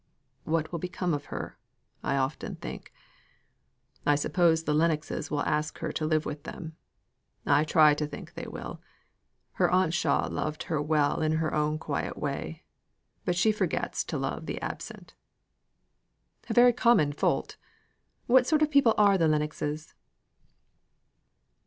"What will become of her I often think? I suppose the Lennoxes will ask her to live with them. I try to think they will. Her Aunt Shaw loved her very well in her own quiet way; but she forgets to love the absent." "A very common fault. What sort of people are the Lennoxes?"